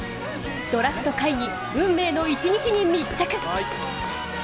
ドラフト会議運命の一日の密着。